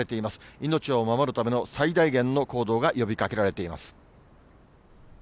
命を守るための最大限の行動が呼びかけられています。